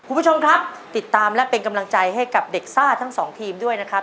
คุณผู้ชมครับติดตามและเป็นกำลังใจให้กับเด็กซ่าทั้งสองทีมด้วยนะครับ